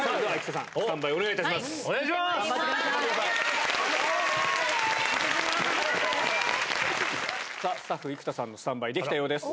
さあ、スタッフ、生田さんのスタンバイ、できたようです。